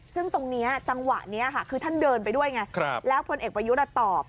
ซึ่งตรงนี้จังหวะนี้ค่ะคือท่านเดินไปด้วยไงแล้วพลเอกประยุทธ์ตอบ